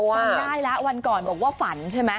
จำได้แล้ววันก่อนบอกว่าฝันใช่ไหม